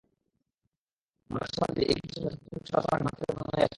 মাদরা সীমান্ত দিয়ে ইকবাল হোসেনসহ চার-পাঁচজন চোরাচালানি ভারত থেকে পণ্য নিয়ে আসছিল।